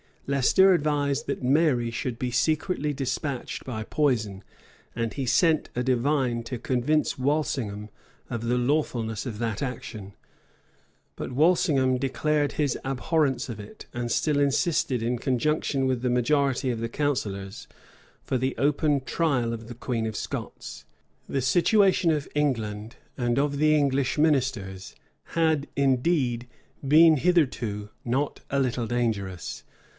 Leicester advised that Mary should be secretly despatched by poison; and he sent a divine to convince Walsingham of the lawfulness of that action: but Walsingham declared his abhorrence of it; and still insisted, in conjunction with the majority of the counsellors, for the open trial of the queen of Scots. The situation of England, and of the English ministers, had, indeed, been hitherto not a little dangerous.